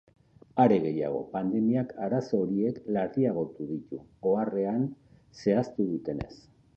Are gehiago, pandemiak arazo horiek larriagotu ditu, oharrean zehaztu dutenez.